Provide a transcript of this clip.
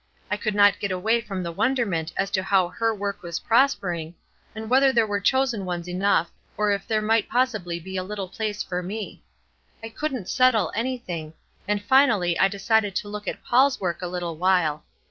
I could not get away from the wonderment as to how her work was prospering, and whether there were chosen ones enough, or if there might possibly be a little place for me. I couldn't settle anything, and finally I decided to look at Paul's work a little while.